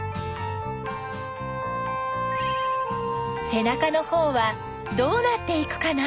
せなかのほうはどうなっていくかな？